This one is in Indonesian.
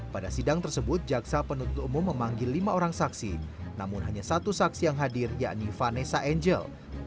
pada sidang tersebut jaksa penuntut umum memanggil lima orang saksi namun hanya satu saksi yang hadir yakni vanessa angel